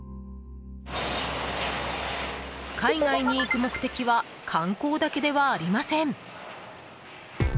海外に行く目的は観光だけではありません。